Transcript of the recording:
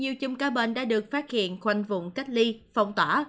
nhiều chung ca bệnh đã được phát hiện quanh vùng cách ly phong tỏa